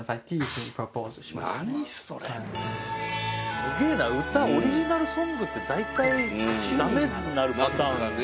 すげぇなオリジナルソングってだいたいダメになるパターンだよね。